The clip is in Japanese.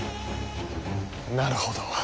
なるほど。